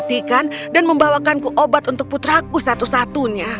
jangan mematikan dan membawakanku obat untuk putraku satu satunya